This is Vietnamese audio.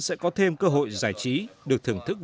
sẽ có thêm cơ hội giải trí được thưởng thức